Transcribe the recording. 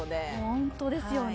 ホントですよね。